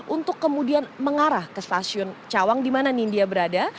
untuk kemudian mengarah ke stasiun cawang di mana nindya berada